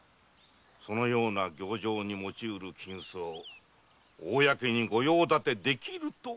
そのような行状に用いる金子を公にご用立てできるとお考えか？